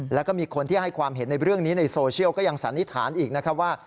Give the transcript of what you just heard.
แล้วก็มีคนที่ให้ความเห็นในเรื่องนี้ในโซเชียลก็ยังสันนิษฐานอีกนะครับว่า